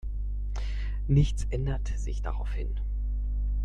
Nichts änderte sich daraufhin.